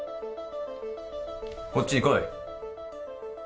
こっちに来い。